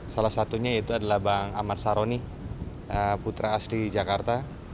salah satunya yaitu adalah bang ahmad saroni putra asli jakarta